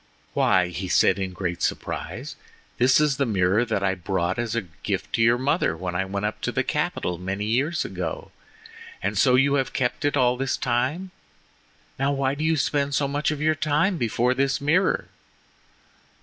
"Why," he said in great surprise, "this is the mirror that I brought as a gift to your mother when I went up to the capital many years ago! And so you have kept it all this time? Now, why do you spend so much of your time before this mirror?"